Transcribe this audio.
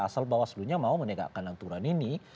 asal mbak waslu nya mau menegakkan aturan ini